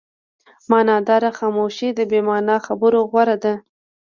معناداره خاموشي د بې معنا خبرو غوره ده.